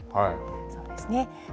そうですね。